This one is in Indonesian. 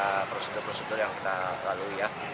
ada prosedur prosedur yang kita lalui ya